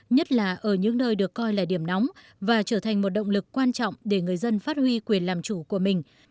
nhất là ở những nơi được coi là điểm nóng và trở thành một động lực quan trọng để người dân phát huy quyền làm chủ của mình